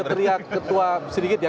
kita lihat ketua sedikit ya